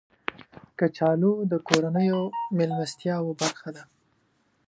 کچالو د کورنیو میلمستیاو برخه ده